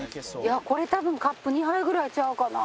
これ多分カップ２杯ぐらいちゃうかな？